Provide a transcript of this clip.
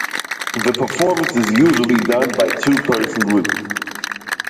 The performance is usually done by two person group.